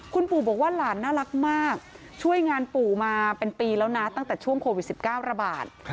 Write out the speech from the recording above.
คุณปู่บอกว่าหลานน่ารักมากช่วยงานปู่มาเป็นปีแล้วนะตั้งแต่ช่วงโควิด๑๙ระบาด